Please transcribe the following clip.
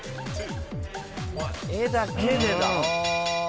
絵だけでだ。